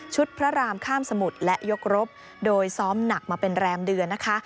พระรามข้ามสมุทรและยกรบโดยซ้อมหนักมาเป็นแรมเดือนนะคะ